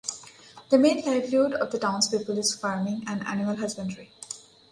The main livelihood of the townspeople is farming and animal husbandry.